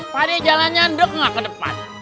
pada jalannya enggak ke depan